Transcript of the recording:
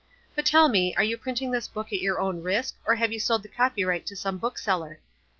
But tell me, are you printing this book at your own risk, or have you sold the copyright to some bookseller?"